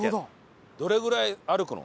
どれぐらい歩くの？